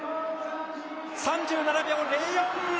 ３７秒０４。